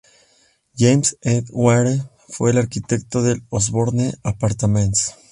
James E. Ware fue el arquitecto del Osborne Apartments.